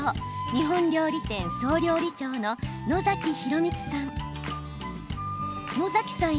日本料理店総料理長の野崎洋光さん。